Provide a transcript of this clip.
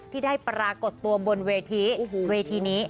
ที่ได้ปรากฏตัวบนเวทีเวทีนี้